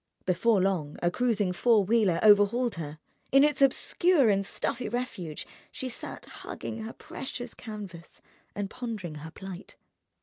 Before long a cruising four wheeler overhauled her. In its obscure and stuffy refuge she sat hugging her precious canvas and pondering her plight.